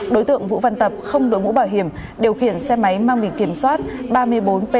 đối tượng vũ văn tập không đối mũ bảo hiểm điều khiển xe máy mang bình kiểm soát ba mươi bốn p chín mươi nghìn bốn trăm hai mươi chín